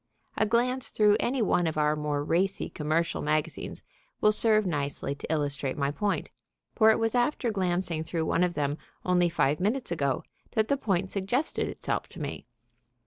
A glance through any one of our more racy commercial magazines will serve nicely to illustrate my point, for it was after glancing through one of them only five minutes ago that the point suggested itself to me.